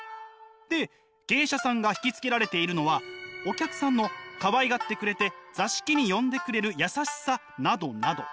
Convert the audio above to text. で芸者さんが惹きつけられているのはお客さんのかわいがってくれて座敷に呼んでくれる優しさなどなど。